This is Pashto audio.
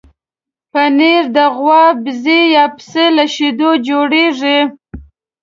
پنېر د غوا، بزه یا پسې له شیدو جوړېږي.